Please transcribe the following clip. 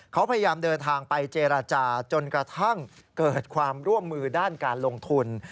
เขาพยายามเดินทางไปเจรจาจนกระทั่งเกิดความร่วมมือด้านการลงทุน